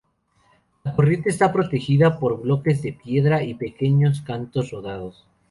La corriente está protegida por bloques de piedra y pequeños cantos rodados.